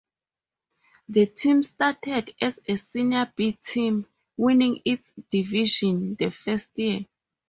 The team started as a Senior B team, winning its division the first year.